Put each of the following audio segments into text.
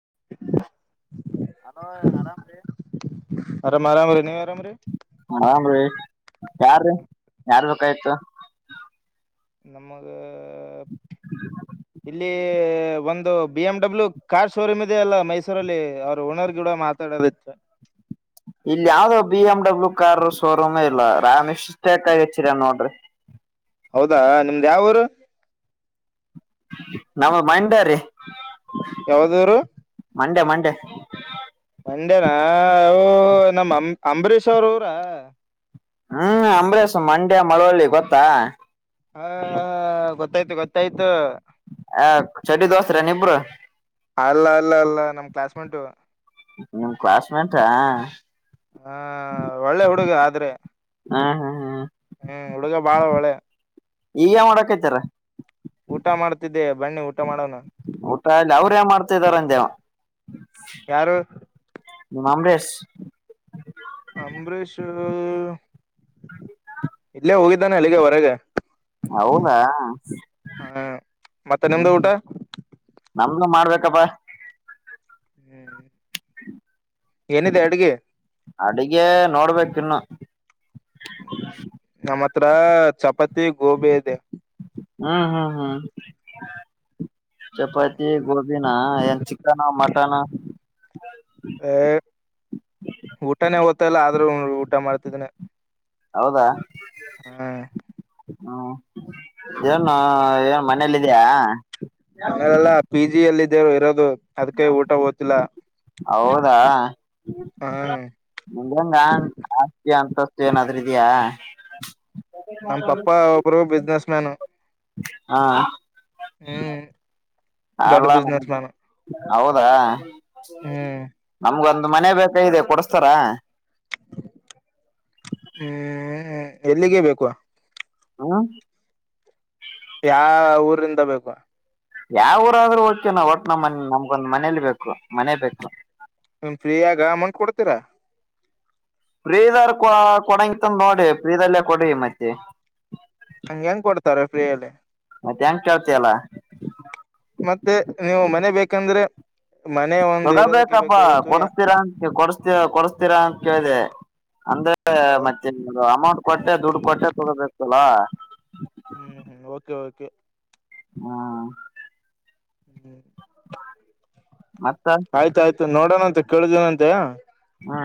ಈ [unintelligible] ಅಲೋ ಆರಾಮ ರೀ ಆರಾಮ ಆರಾಮ ರ ನೀ ಆರಾಮ ರ ಯಾರ ಯಾರ್ ಬೇಕಾಯ್ತು ನಮಗೆ ಇಲ್ಲಿ ಒಂದು B M W car showroom ಇದೆ ಅಲ್ಲ ಮೈಸೂರಲ್ಲಿ ಅವರು ಓನರ್ ಗೂಡ ಮಾತಾಡ ತ್ತು [unintelligible] ಇಲ್ ಯಾವವುದೋ B M W car showroom ಇಲ್ಲ ರಾಮೇಶ್ ಸ್ಟಕ್ ಆಗ ಚೀರ ನೋಡ್ರಿ ಹೌದಾ ನಿಮ್ದ ಯಾವರು ನಮ್ಮ ಮಂಡ್ಯ ರೀ ಯಾವ್ದೂರು ಮಂಡ್ಯ ಮಂಡೆ [unintelligible] ಮಂಡ್ಯನ ಅವು ನಮ್ಮ ಅ ಅಂಬರೀಷ್ ಅವ್ರ ಊರಾ ಹ್ಮ್ ಅಂಬರೀಷ್ ಮಂಡ್ಯ ಮಳಳ್ಳಿ ಗೊತ್ತಾ ಹಾ ಗೊತ್ತಾಯ್ತು ಗೊತ್ತಾಯ್ತು ಹ ಚಡಿ ದೋಸ್ತ್ರ ನಿ ಇಬ್ರು ಅಲ್ಲ ಅಲ್ಲ ಅಲ್ಲ ನಮ್ ಕ್ಲಾಸ್ಮೇಟ್ ನಿಮ್ ಕ್ಲಾಸ್ಮೇಟಾ ಹಾ ಒಳ್ಳೆ ಹುಡುಗ ಆದ್ರೆ ಹ್ಮ್ ಹ್ಮ್ ಹ್ಮ್ ಹ್ಮ್ ಹುಡುಗ ಬಾಳ ಒಳ್ಳೆ ಈಗ ಮಾಡಕೈತಾರ ಊಟ ಮಾಡ್ತಿದ್ದೆ ಬನ್ನಿ ಊಟ ಮಾಡೋಣ ಊಟ ಇಲ್ಲ ಅವ್ರೇ ಮಾಡ್ತಿದಾರಂದೇವ ಯಾರು ಉ [unintelligible] ಅಂಬರೀಷ್ ಇಲ್ಲೇ ಹೋಗಿದ್ದಾನೆ ಅಲ್ಲಿಗೆ ಹೊರಗೆ ಹೌದಾ ಹ್ಮ ಹಾ ಮತ್ತೆ ನಿಮ್ದು ಊಟ ಮಾಡ್ಬೇಕಪ್ಪಾ ಹ್ಮ್ ಹ್ಮ ಏನಿದೆ ಅಡ್ಗೆ ಅಡಗೆ ನೋಡ್ಬೇಕ ಇನ್ನು ಹ್ಮ್ ನಮ್ಮ ಹತ್ರ ಚಪಾತಿ ಗೋಬಿ ಇದೆ ಹ್ಮ ಹ್ಮ ಹಾ ಚಪಾತಿ ಗೋಬಿನ ಏನ್ ಚಿಕನ್ ಮಟನ್ ಅ ಊಟಾನೇ ಓದ್ತಲ್ಲ ಆದ್ರೂ ಊಟ ಮಾಡ್ತಿದ್ದನ ಹೌದಾ ಹಾ ಹ್ಮ ಏನು ಏನ್ ಮನೇಲ್ಲ ಇದಯಾ ಮನೇಲೆಲ್ಲಾ ಪಿ ಜಿಿಯಲ್ಲ ಇದೇವರು ಇರೋದು ಅದ್ಕೈ ಊಟ ಓ್ತಿಲ್ಲ ಹೌದಾ ನಿಂಗ ಅಸ್ಥಿ ಅಂತಸ್ತು ಏನಾದ್ೂ ಇದಯಾ ನಮ್ಮ್ ಪಪ್ಪಾ ಒಬ್ರು ಬಿಸ್ನೆಸ್ ಮ್ಯಾನ್ ಹಾ ಹ್ಮ್ ದೊಡ್ಡ ಅಲ್ಲ ಬಿಸ್ನೆಸ್ ಮ್ಯಾನ್ ಹೌದಾ ಹ್ಮ್ ನಮ್ಗಂತ ಒ ಮನೆ ಬೇಕ ಇದೆ ಕೊಡಸ್ತಾರ ಹ್ಮ ಎಲ್ಲಿಗೆೇ ಬೇಕು ಹಾ ಯಾವ ಊರಿಂದ ಬೇಕು ಯಾವ ಊರ ಆದ್ೂಓ್ಕೆ ನಾ್ ಒಟ್ಟ ನಮ್ಮ ನಮ್ಗೊಂದ ಮನೇಲಿ ಬೇಕು ಬ ಮನೆ ಬೇಕು ನಿಮ್ ಫ್ರೀಯಾಗ ಅಮೌಂಟ್ ಕೊಡ್ತೀರಾ ಫ್ರೀದಾರ್ ಕೊ ಕೊಡಂಗಂತಂದ ನೋಡಿ ಫ್ರೀದಲ್ಲೇ ಕೊಡ್ರಿ ಮತ್ತೆ ಹಂ ಹೆಂಗ್ ಕೊಡ್ತಾರೆ ಫ್ರೀಯಲ್ಲಿ ಮತ್ತೆ ಹೆಂಗ ಕೇಳ್ತಯಲ್ಲ ಮತ್ತೆ ನೀವು ಮನೆ ಬೇಕಂದ್ರೆ ಮನೆ ಒಂದು ಇರೋದಕ್ಕೆ ತೊಗೋಬೇಕಪ್ಪಾ ಬೇಕಾಗಿತ್ತು ಕೊಡಸ್ತೀರಾ ಅಂತ ಕೊಡತಿ ಕೊಡಸ್ತೀರಾ ಅಂತ ಕೇಳ್ದಿದೆ ಅಂದ್ರ ಮತ್ತೆ ಅಮೌಂಟ್ ಕೊಟ್ಟೆ ದುಡ್ಡು ಕೊಟ್ಟೆ ತೊಗಬೇಕತಲ್ಲ ಹ್ಮ್ ಹ್ಮ್ ಓಕೆ ಓಕೆ ಹ್ಮ ಹ್ಮ ಮತ್ತ ನೋಡೋಣಂತ ಕೇಳುದನಂತೆ ಹಾ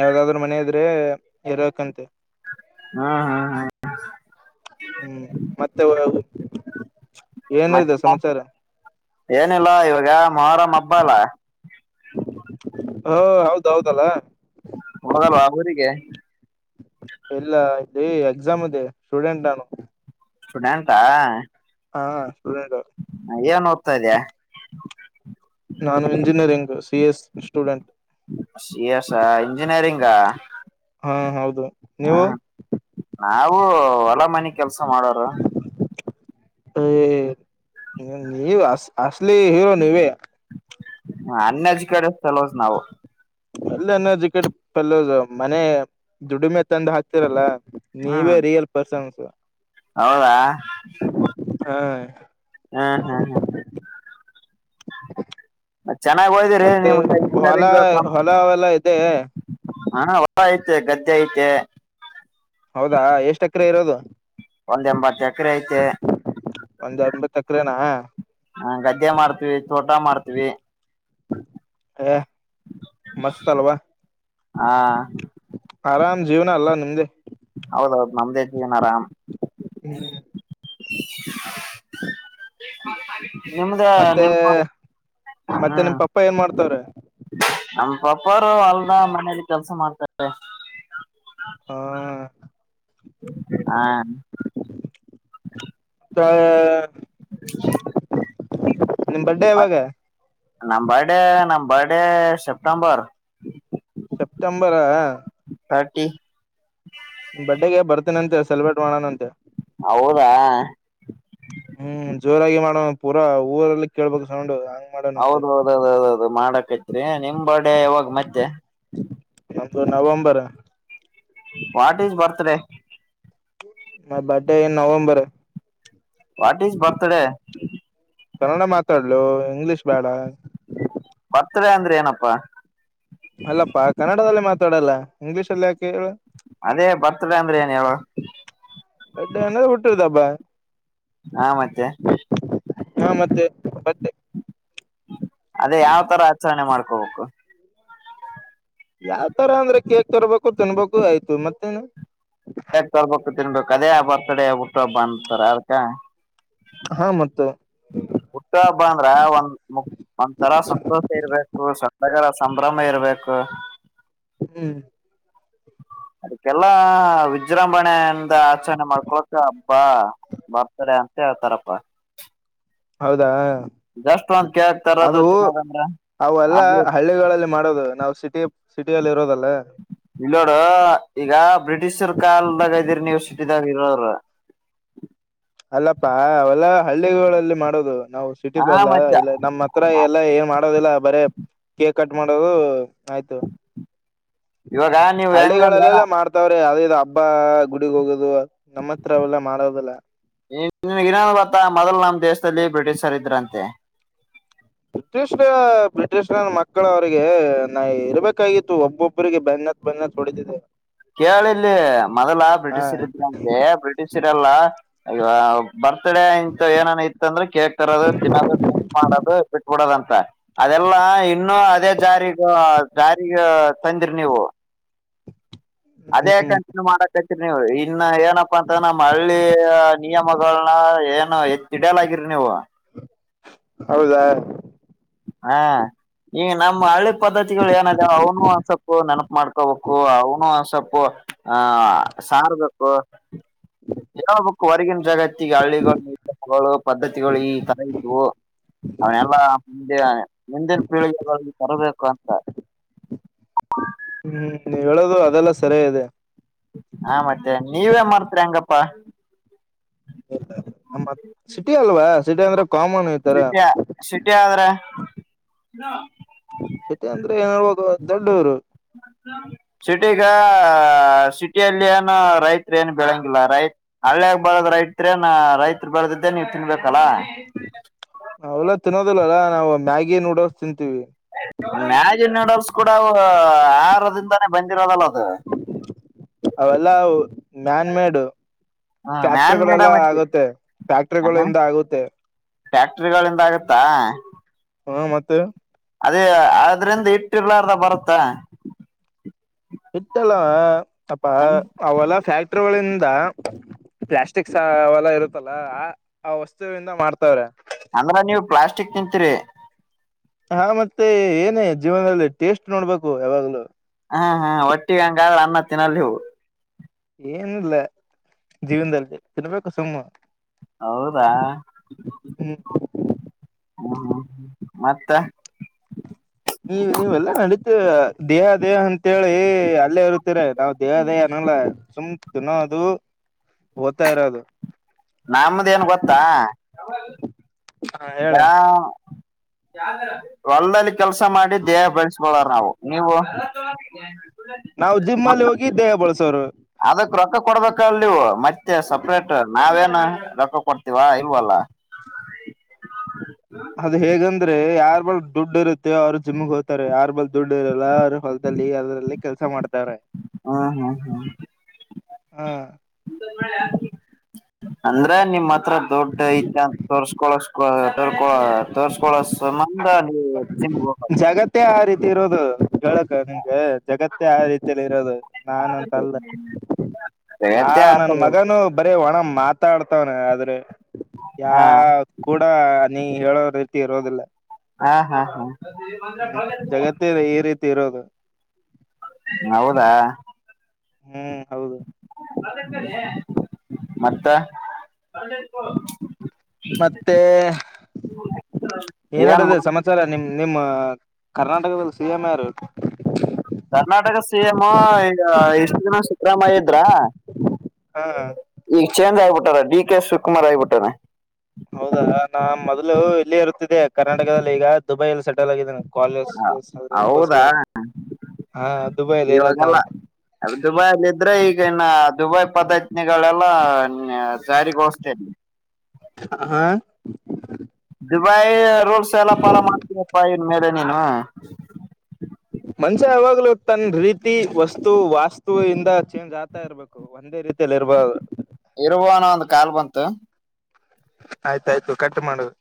ಯಾವ್ದಾದ್ರರು ಮನೆ ಇದ್ರೆ ಇರಕ್ಂತೆ ಹಾ ಹಾ ಹಾ ಹ್ಮ್ ಮತ್ತೆ ಏನಿದೆ ಮತ್ತ ಸಮಾಚಾರ ಏನಿಲ್ಲ ಇವಾಗ ಮೊರಂ್ ಹಬ್ಬ ಅಲ್ಲ ಹ ಹೌದೌದಲ್ಲ ನದಲ್ಲಬರಿಗೆ ಎಲ್ಲ ಇ ಎಕ್ಸಾಮ್ ಅದೆ ಸ್ಟೂಡೆಂಟ್ಾನು ಸ್ಟೊಡೆಟ್ ಹಾ ಸ್ಟೂಡೆಂಟ್ ಏನ್ ಓದ್ತಾ ಇದ್ಯಾ ನಾನು engineering C S student C S ಇಂಜಿನಿಯರಿಂಗಾ ಹಾ ಹೌದು ನೀವು ನಾವು ಹೊಲ ಮನೆಿ ಕೆಲ್ಸ ಮಾಡೋರು ನೀವ ಅ ಅಸ್ಲಿ ಹೀರೋ ನೀವೇ ಹ ಅನ್ನಾಜ್ ಕಡೆ ಸಲೋಸ ನಾವು ಎಲ್ಲನ್ನೋ ಜಕ್ಕಟ್ ಪಲ್ಲೋಸ್ ಮನೆ ದುಡಿಮೆ ತಂದು ಹಾಕ್ತಿರಲ್ಲ ಹ್ಮ್ ನೀವೇ ರಿಯಲ್ ಪರ್ಸನ್ಸ್ ಹೌದಾ ಹ ಹ್ಮ್ ಹ್ಮ್ ಹ್ಮ್. ಹ [unintelligible] ಚೆನ್ನಾಗ್ ಓದಿರಿ ಮತ್ತೆ ನಿಮ್ಗೆ ಹೊಲ ಇಂಜಿನಿಯರಿಂಗ್ ಹೊಲ ಅವಲ್ಲ ಇದೆ. ಹ ಐತೆ ಗದ್ದೆ ಐತೆ. ಹೌದಾ ಎಷ್ಟ ಎಕರೆ ಇರೋದು. ಒಂದ ಎಂಬತ್ತು ಎಕರೆ ಐತೆ. ಒಂದ್ಂಬತ ಎಕರೆನಾ. ಹಾ ಗದ್ದೆ ಮಾಡ್ತೀವಿ ತೋಟ ಮಾಡ್ತೀವಿ. [inaudible] ಏ ಮಸ್ತ್ ಅಲ್ವಾ ಹಾ ಆರಾಮ್ ಜೀವ್ನ ಅಲ್ಲ. ನಿಮ್ದೆ ಹೌದೌದು ನಮ್ದೇ ಜೀವನ ಆರಾಮ್. ಹ್ಮ್ ಹ. [inaudible] ನಿಮ್ದ ಮತ್ತೆ ನೆಪ ಮತ್ತೆ ನಿಮ್ ಹ್ಮ್. ಪಪ್ಪ ಏನ್ [unintelligible] ಮಾಡ್ತವ್ರೆ ನಮ್ ಪಪ್ಪಾರು ಹೊಲ್ದ ಮನೇಲಿ ಕೆಲ್ಸ ಮಾಡ್ತಾರೆ. ಹ ಹಾ. [inaudible] ನಿಮ ಬರ್ಡೇ ಯಾವಾಗ. ನಮ್ ಬರ್ಡೇ ನಮ್ ಬರ್ಡೇ ಸೆಪ್ಟೆಂಬರ್. ಸೆಪ್ಟೆಂಬರಾ. ಪಾರ್ಟಿ. ಬರ್ಡೇ ಗೆ ಬರ್ತನಂತೆ ಸೆಲೆಬ್ರೇಟ್ ಮಾಡಣ ಅಂತೆ. ಹೌದಾ. ಹ್ಮ್ ಜೋರಾಗಿ ಮಾಡೋ ಪೂರಾ ಊರಲ್ಲಿ ಕೇಳ್ಬೇಕು ಸೌಂಡ್. ಹಂಗ್ ಹೌದ ಮಾಡೋಣಂತೆ ಹೌದೌದೌದೌದು ಮಾಡಕೈತ್ರಿ ನಿಮ್ಮ ಬರ್ತ್ಡೇ ಯಾವಾಗ ಮತ್ತೆ. ನವೆಂಬರ್. What is birthday. ಮ birthday in November. What is birthday. Kannada ಮಾತಾಡಲೋ ಇಂಗ್ಲಿಷ್ ಬೇಡ. ಬರ್ತ್ಡೇ ಅಂದ್ರೆ ಏನಪ್ಪಾ. ಅಲ್ಲಪ್ಪಾ ಕನ್ನಡದಲ್ಲಿ ಮಾತಾಡಲ್ಲ ಇಂಗ್ಲೀಷ್ ಅಲ್ಲಿ ಯಾಕೆ ಹೇಳ. ಅದೇ ಬರ್ತ್ಡೇ ಅಂದ್ರೆ ಏನು ಹೇಳು. ಬರ್ತ್ಡೇ ಅಂದ್ರೆ ಹುಟ್ಟಿದ್ ಹಬ್ಬ. ಹಾ ಮತ್ತೆ ಹಾ ಮತ್ತೆ ಮತ್ತೆ. ಅದೇ ಯಾವ್ ತರ ಆಚರಣೆ ಮಾಡ್ಕೋಬೇಕು. ಯಾವ್ ತರ ಅಂದ್ರೆ ಕೇಕ್ ತರ್ಬೇಕು ತಿನ್ಬೇಕು ಆಯ್ತು ಮತ್ತೇನು. ಕೇಕು ತರ್ಬೇಕು ತಿನ್ಬೇಕು ಅದೇ ಬರ್ತ್ಡೇ ಹುಟ್ಟು ಹಬ್ಬ ಅಂತಾರ ಅದಕ್ಕ. ಹಾ ಮತ್ತ. ಹುಟ್ಟ ಹಬ್ಬ ಅಂದ್ರ ಒಂದ್ ಒಂದ್ ತರ ಸಂತೋಷ ಇರ್ಬೇಕು. ತಗಳ ಸಂಭ್ರಮ ಇರ್ಬೇಕು. ಹ್ಮ್. ಅದಕ್ಕೆಲ್ಲಾ ವಿಜೃಂಭಣೆಯಿಂದ ಆಚರಣೆ ಮಾಡ್ಕೊಳಕ ಹಬ್ಬಾ. ಬರ್ತ್ಡೇ ಅಂತ ಹೇಳ್ತಾರಪ್ಪ. ಹೌದಾ. ಜಸ್ಟ್ ಒಂದ್ ಕೇಕ್ ತರೋದು ಅದು ತಿನ್ನೋದಂದ್ರ ಅವೆಲ್ಲ ಅದು ಹಳ್ಳಿಗಳಲ್ಲಿ ಮಾಡೋದು ನಾವು ಸಿಟಿ. ಸಿಟಿಯಲ್ಲಿ ಇರೋದಲ್ಲ. ಇಲ್ಲೋಡು ಈಗ ಬ್ರಿಟಿಷರ್ ಕಲ್ದಾಗ ಇದ್ದೀರಿ ನೀವು ಸಿಟಿ ದಾಗ ಇರೋವ್ರು. ಅಲ್ಲಪ್ಪಾ ಅವಲ್ಲ ಹಳ್ಳಿಗಳಲ್ಲಿ ಮಾಡೋದು. ನಾವು ಸಿಟಿ ಹಾ ಬರ್ಲ್ಲ ಮತ್ತೆ ಇಲ್ಲ ನಮ್ಮ್ ಹತ್ರ ಎಲ್ಲ ಏನ್ ಮಾಡೋದಿಲ್ಲ ಬರೇ ಕೇಕ್. ಕೇಕ್ ಕಟ್ ಮಾಡೋದು ಆಯ್ತು. ಇವಾಗ ನೀವ್ ಹೆಂಗಂದ್ರ ಹಳ್ಳಿಗಳಲ್ಲೆಲ್ಲ ಮಾಡ್ತಾವ್ರಿ ಯಾವದ ಇದು ಹಬ್ಬ ಗುಡಿಗ್ ಹೋಗದು. ನಿನಗ ಇನ್ನೊಂದು ಗೊತ್ತಾ ಮೊದಲು ನಮ್ ದೆಸ್. ದಲ್ಲಿ ಬ್ರಿಟಿಷರ್ ಇದ್ರಂತೆ. ಬ್ರಿಟಿಷ್ ಬ್ರಿಟಿಷ ನ ಮಕ್ಕಳ ಅವ್ರರಿಗೆ ನಾ ಇರಬೇಕಾಗಿತ್ತು ಒಬ್ಬೊಬ್ಬರಿಗೆ ಬೆನ್. ಬೆನ್ ಹತ್ತಿ ಬಂದು ಹೊಡಿತಿದ್ದೆ. ಕೇಳಿಲ್ಲಿ ಮೊದಲ ಬ್ರಿಟಿಷರ್ ಇದ್ರಂತೆ ಬ್ರಿಟಿಷರೆಲ್ಲಾ. ಬರ್ತ್ಡೇ ಇಂತ ಏನನ್ ಇತ್ತಂದ್ರೆ ಕೇಕ್ ತರೋದು ತಿನ್ನೋದು ಡ್ರಿಂಕ್ ಮಾಡೋದು ಬಿಟ್ಬಿಡೋದಂತ. ಅದೆಲ್ಲ ಇನ್ನುೂ ಅದೇ ಜಾರಿಗ ಜಾರಿಗ ತಂದಿರಿ ನೀವು. ಅದೇ ಹ್ಮ್ ಕಂಟಿನ್ಯೂ ಮಾಡಕ ರಿ ನೀವು ಇನ್ನ ಏನಪ್ಪಾ ಅಂತ ನಮ್ಮ ಹಳ್ಳಿ ನಿಯಮಗಳ್ನ ಏನು ಎತ್ತಿಡಿಯಲಾಗಿರಿ ನೀವು ಹೌದಾ ಹಾ ಈ ನಮ್ಮ್ ಹಳ್ಳಿ ಪದ್ದತಿಗಳು ಏನದ ಅವ್ನು ಅನ್ಸೊಪ್ಪು ನೆನಪು ಮಾಡ್ಕೋಬೇಕು ಅವನು ಒನ್ಸಪ್ಪು ಹಾ ಸಾರ್ಬಕು ಹೇಳ್ಬೇಕ ಹೊರಗಿನ ಜಗತ್ತಿಗೆ ಹಳ್ಳಿಗಳು ಪದ್ಧತಿಗಳು ಈ ತರ ಇದ್ವು ಅವನೆಲ್ಲಾ ಮುಂದೆ ಮುಂದಿನ ಪೀಳಿಗೆಗೆ ತರಬೇಕು ಅಂತ ಹ್ಮ್ ನೀವ ಹೇಳದು ಅದೆಲ್ಲ ಸರಿ ಇದೆ ಹಾ ಮತ್ತೆ ನೀವೇ ಮರ್ತರೆ ಹೆಂಗಪ್ಪಾ ನಮ್ಮತ್ ಸಿಟಿ ಅಲ್ವಾ ಸಿಟಿ ಅಂದ್ರೆ ಕಾಮನ್ ಈತರ ಸಿಟ್ಯ ಸಿಟಿ ಆದ್ರ ಸಿಟಿ ಅಂದ್ರೆ ಏನ ಹ ದೊಡ್ಡೂರು ಸಿಟಿಗ ಸಿಟಿಯಲ್ಲಿ ಏನ ರೈತ್ರ ಏನು ಬೆಳಂಗಿಲ್ಲ ರೈತ್ ಬಳದ ರೈತ್ ನ ರೈತ್ ಬೆಳೆದ್ದೆ ನೀವು ತಿನ್ಬೇಕಲ್ಲಾ ಅವೆಲ್ಲ ತಿನ್ನೋದಿಲ್ಲಲ್ಲ ನಾವು ಮ್ಯಾಗಿ ನೂಡಲ್ಸ್ ತಿಂತೀವಿ ಮ್ಯಾಜಿನ್ ನೂಡಲ್ಸ್ ಕೂಡ ಆರದಿಂದಾನೇ ಬಂದಿರೋದಲ್ಲ ಹಾ ಅವೆಲ್ಲ ಮ್ಯಾನ್ ಮೇಡ್ ಹ್ಮ್ ಮ್ಯಾನ್ ಮೇಡ ಫ್ಯಾಕ್ಟ್ರಿಗಳೆಲ್ಲ ಮತ್ತೆ ಆಗುತ್ತೆ ಫ್ಯಾಕ್ಟ್ರಿಗಳಿಂದ ಆಗುತ್ತೆ ಫ್ಯಾಕ್ಟ್ರಿಗಳಿಂದ ಆಗತ್ತಾ ಹ ಮತ್ತೆ ಅದೇ ಅದ್ರಿಂದ ಇಟ್ಟಿರ್ಲಾರ್ದ ಬರುತ್ತ ಹಿಟ್ಟಲ್ಲ ಅಪ್ಪ ಅವಲ್ಲಾ ಫ್ಯಾಕ್ಟ್ರಿ ಒಳಿಂದ್ ದ ಪ್ಲಾಸ್ಟಿಕ್ ಸ ಅವಲ್ಲ ಇರುತ್ತಲ್ಲ ಆ ಆ ವಸ್ತುವಿಂದ ಮಾಡ್ತವ್ರೆ ಅಂದ್ರ ನೀವು ಪ್ಲಾಸ್ಟಿಕ್ ತಿಂತೀರಿ ಹಾ ಮತ್ತೆ ಏನೇ ಜೀವನದಲ್ಲಿ ಟೇಸ್ಟ್ ನೋಡ್ಬೇಕು ಯಾವಾಗ್ಲು ಹಾ ಹಾ ಹೊಟ್ಟಿಗೆ ಹಂಗಾದ್ರ ಅನ್ನ ತಿನ್ನಲ್ ನೀವು ಏನಿಲ್ಲ ಜೀವನದಲ್ಲಿ ತಿನ್ಬೇಕು ಸುಮ್ಮ ಹೌದಾ ಹ್ಮ ಹ್ಮ್ ಹೂ ಮತ್ತ ನೀ ನೀವೆಲ್ಲಾ ನಡೀತೇ ದೇಹ ದೇಹ ಅಂತೇಳಿ ಅಲ್ಲೇ ಇರುತ್ತೀರ ನಾವ್ ದೇಹ ದೇಹ ಅನಲ್ಲ ಸುಮ್ಕ ತಿನ್ನೋದು ಹೋಗ್ತಾ ಇರೋದು ನಮ್ದ ಏನ್ ಗೊತ್ತಾ ಹ ಹೇಳಿ ಈಗಾ ಹೊಲ್ದಲ್ಲಿ ಕೆಲ್ಸ ಮಾಡಿ ದೇಹ ಬೆಳಸ್ಕೊಳ್ಳಾರ ನಾವು. ನೀವು ಜಿಮ್ಮಲ್ಲಿ ಹೋಗಿ ದೇಹ ಬಳಸೋರು ಅದಕ್ಕ ರೊಕ್ಕ ಕೊಡ್ಬೇಕಲ್ಲ್ ನೀವು ಮತ್ತೆ ಸಪ್ರೇಟ್ ನಾವೇನ್ ರೊಕ್ಕ ಕೊಡ್ತೀವಾ ಇಲ್ವಲ್ಲ. ಅದು ಹೇಗಂದ್ರೆ ಯಾ ಬಲ್ ದುಡ್ಡ ಇರುತ್ತೆ ಅವ್ರು ಜಿಮ್ಗೆ ಹೋಗ್ತಾರೆ ಯಾರ್ ಬಲ್ ದುಡ್ ಇರಲ್ಲ ಅವರು ಹೊಲ್ದಲ್ಲಿ ಅದರಲ್ಲಿ ಕೆಲಸ ಮಾಡ್ ಹಾ ಹಾ ಹ್ಮ್ ಹ ಅಂದ್ರ ನಿಮ್ಮ್ ಹತ್ರ ದುಡ್ಡ ಐತಂತ ತೋರ್ಸ್ಕೊಳ ತೋರ್ಕೊ ತೋರ್ಸ್ಕೊಳ ನೀವು ಜಿಮ್ ಜಗತ್ತೇ ಆ ರೀತಿ ಇರೋದು ಕ ನಿಂಗ ಜಗತ್ತೇ ಆ ರೀತಿ ಇರೋದು ನಾನಂತಲ್ಲ ಯಾ ಹೋಗ್ಬೇಕು ಆ ನನ್ ತರ ಮಗನು ಬರೀ ಒಣ ಮಾತಾಡ್ತವ್ರೆ ಆದ್ರೆ ಹಾ ಯಾವ್ ಕೂಡ ನೀ ಹೇಳೋ ರೀತಿ ಇರೋದಿಲ್ಲ ಆ ಹಾ ಹಾ ಹ್ಮ ಜಗತ್ತೇ ಇದೆ ಈ ರೀತಿ ಇರೋದು ಹೌದಾ ಹ್ಮ್ ಹೌದು ಮತ್ತ ಮತ್ತೆ ಏನಡದ ಏನ್ ಸಮಾಚಾರ ನಿಮ್ ನಿಮ್ಮ ಕರ್ನಾಟಕದಲ್ಲಿದಲ್ಲಿ ಸಿಎಂ ಯಾರ ಸಿ ಅಮ್ಮ ಈಗ ಇಷ್ಟು ಜನ ಸಿದ್ದರಾಮಯ್ಯ ಇದ್ರ ಹ ಈಗ ಚೇಂದ್ರ ಆಗ್ಬಿಟ್ಟಾರ ಡಿ ಕೆ ಶಿವಕುಮಾರ್ ಆಗಿಬಿಟ್ಟಾರ ಇಲ್ಲಿ ಇರುತ್ತಿದೆ ಕರ್ನಾಟಕದಲ್ಲಿ ಈಗ ದುಬೈಲ್ಲಿ ಸ ನೆ ಕಾಲಜೋಸ್ಕರ ಇವಾಗಲ್ಲ ದುಬೈ ಅಲ್ಲಿ ಇದ್ರೆ ಈಗ ಇನ್ನ ದುಬೈ ಪದತ್ನಿಗಳೆಲ್ಲಾ ಜಾರಿಗೋಸ್ತೇನೆ ಹಾ ಬಾಯ ರೋಡ್ಸ ಎಲ್ಲಪಲ ಮಾಡ್ತೀರಪ್ಪ ಇನ್ ಮೇಲೆ ನೀನು ಮನ್ಷ್ಯ ಯಾವಾಗ್ಲೂ ತನ್ ರೀತಿ ವಸ್ತು ವಾಸ್ತು ಇಂದ ಚೇಂಜ್ ಆಗ್ತಾ ಇರ್ಬೇಕು ಒಂದೇ ರೀತಿಯಲ್ಲಿ ಇರ್ಬ ಇರುವಾನ ಒಂದ್ ಕಾಲ್ ಬಂತು ಆಯ್ತಾಯ್ತು ಕಟ್ ಮಾಡುದು